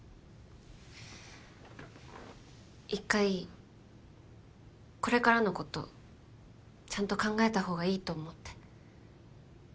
一回これからのことちゃんと考えた方がいいと思って。